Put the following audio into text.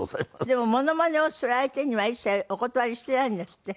でもモノマネをする相手には一切お断りしていないんですって？